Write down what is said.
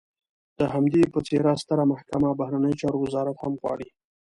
د همدې په څېر ستره محکمه، بهرنیو چارو وزارت هم غواړي.